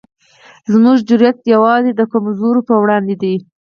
زموږ جرئت یوازې د کمزورو پر وړاندې دی.